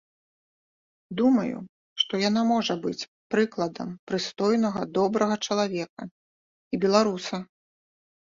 Думаю, што яна можа быць прыкладам прыстойнага, добрага чалавека і беларуса.